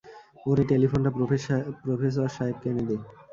ওরে, টেলিফোনটা প্রফেসর সাহেবকে এনে দে।